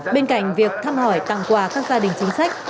bên cạnh việc thăm hỏi tặng quà các gia đình chính sách